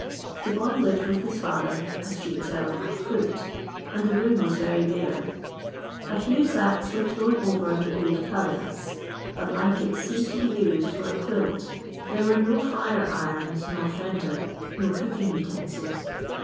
The boy lived with his father (a streot s»'Ilcr of fruit), and the room wai very bare. A few sicks were thrown over an old pallitiss, a blanket seemed to be used for a quilt ; there were ni J:re ip; ns nor fender ; no cooking utensils.